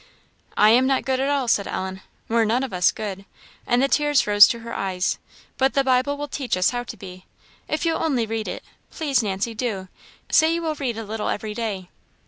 "I am not good at all," said Ellen "we're none of us good;" and the tears rose to her eyes; "but the Bible will teach us how to be. If you'll only read it! please, Nancy, do! say you will read a little every day."